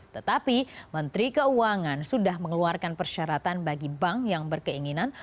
tetapi menteri keuangan sudah mengeluarkan persyaratan bagi bank yang berkeinginan